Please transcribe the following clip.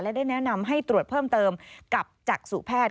และได้แนะนำให้ตรวจเพิ่มเติมกับจักษุแพทย์